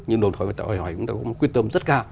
nhưng đồng thời chúng ta cũng quyết tâm rất cao